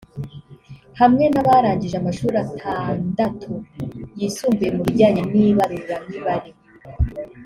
hamwe n’abarangije amashuri atandatu yisumbuye mu bijyanye n’ibaruramibare